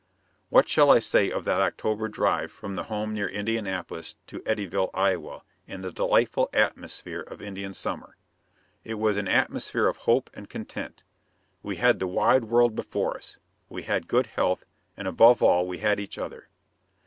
What shall I say of that October drive from the home near Indianapolis to Eddyville, Iowa, in the delightful atmosphere of Indian summer? It was an atmosphere of hope and content. We had the wide world before us; we had good health; and above all we had each other.